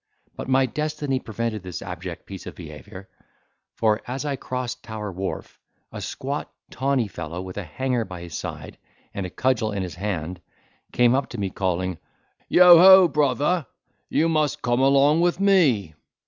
But my destiny prevented this abject piece of behaviour; for as I crossed Tower Wharf, a squat tawny fellow with a hanger by his side, and a cudgel in his hand came up to me, calling, "Yo ho! brother, you must come along with me."